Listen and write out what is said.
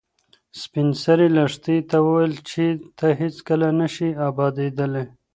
سپین سرې لښتې ته وویل چې ته هیڅکله نه شې ابادېدلی.